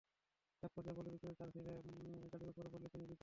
একপর্যায়ে পল্লী বিদ্যুতের তার ছিঁড়ে গাড়ির ওপরে পড়লে তিনি বিদ্যুৎস্পৃষ্ট হন।